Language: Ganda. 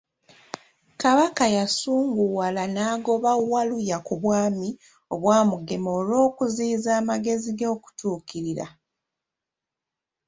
Kabaka yasunguwala n'agoba Walulya ku bwami Obwamugema olw'okuziyiza amagezi ge okutuukirira.